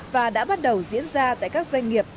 và đã bắt đầu diễn ra tại các doanh nghiệp